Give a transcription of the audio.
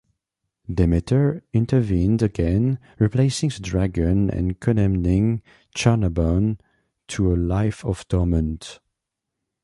Demeter intervened again, replacing the dragon and condemning Charnabon to a life of torment.